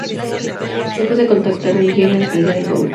Se puede contactar un guía en la Alcaldía del pueblo.